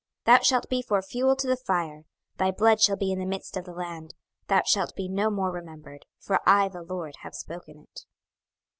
26:021:032 Thou shalt be for fuel to the fire; thy blood shall be in the midst of the land; thou shalt be no more remembered: for I the LORD have spoken it.